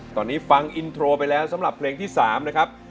ตอนนี้ฟังอินโทรไปแล้วสำหรับเพลงที่๓นะครับ